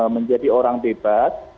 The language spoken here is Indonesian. menjadi orang bebas